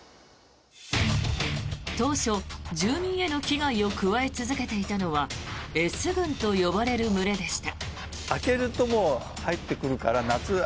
当初、住民への危害を加え続けていたのはＳ群と呼ばれる群れでした。